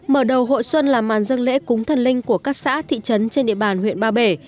mở đầu hội xuân là màn dân lễ cúng thần linh của các xã thị trấn trên địa bàn huyện ba bể